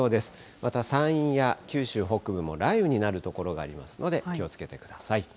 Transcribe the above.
また山陰や九州北部も雷雨になる所がありますので、気をつけてください。